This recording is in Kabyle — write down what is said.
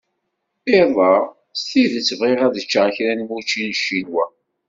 Iḍ-a s tidet bɣiɣ ad ččeɣ kra n wučči n Ccinwa.